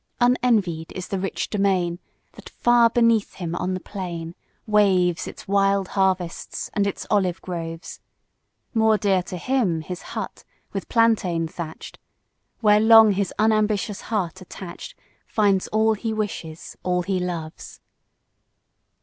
Unenvied is the rich domain, That far beneath him on the plain Waves its wide harvests and its olive groves; More dear to him his hut with plantain thatch'd, Where long his unambitious heart attach'd, Finds all he wishes, all he loves.